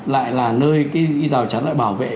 lại là nơi cái rào chắn lại bảo vệ